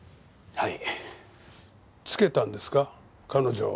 「はい」